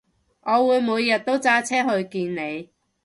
我會每日都揸車去見你